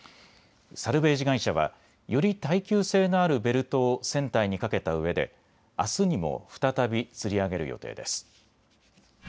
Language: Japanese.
サルベージ会社はより耐久性のあるベルトを船体にかけたうえであすにも再びつり上げる予定です。